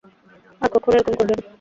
আর কক্ষনো এরকম করবে না!